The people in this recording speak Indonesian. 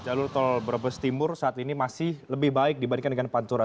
jalur tol brebes timur saat ini masih lebih baik dibandingkan dengan pantura